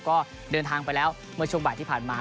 ก็เดินทางไปแล้วเมื่อช่วงบ่ายที่ผ่านมา